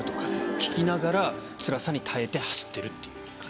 聴きながら、つらさに耐えて走ってるっていう感じ。